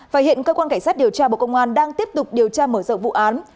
và hiện cơ quan cảnh sát điều tra bộ công an đang tiếp tục điều tra mở rộng vụ án